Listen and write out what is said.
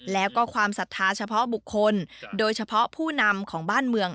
แล้วก็ความศรัทธาเฉพาะบุคคลโดยเฉพาะผู้นำของบ้านเมือง